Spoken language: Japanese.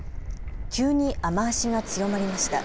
急に雨足が強まりました。